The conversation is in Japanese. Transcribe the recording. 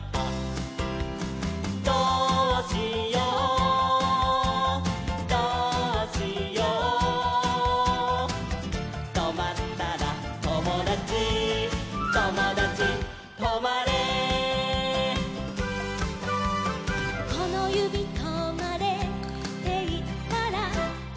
「どうしようどうしよう」「とまったらともだちともだちとまれ」「このゆびとまれっていったら」